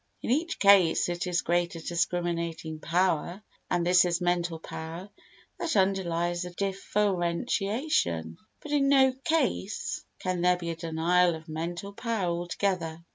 In each case it is greater discriminating power (and this is mental power) that underlies the differentiation, but in no case can there be a denial of mental power altogether.